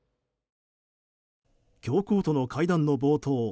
教皇との会談の冒頭